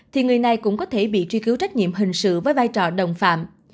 thì người này cũng có thể bị truy cứu trách nhiệm hình sự với vai trò đồng phạm